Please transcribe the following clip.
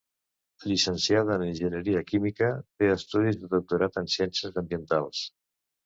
Llicenciada en enginyeria química, té estudis de doctorat en Ciències Ambientals.